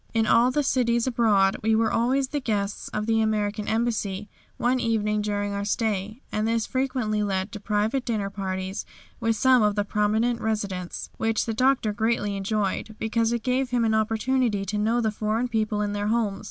In all the cities abroad we were always the guests of the American Embassy one evening during our stay, and this frequently led to private dinner parties with some of the prominent residents, which the Doctor greatly enjoyed, because it gave him an opportunity to know the foreign people in their homes.